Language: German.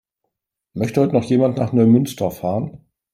Möchte heute noch jemand nach Neumünster fahren?